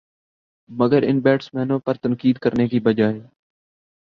مگر ان بیٹسمینوں پر تنقید کرنے کے بجائے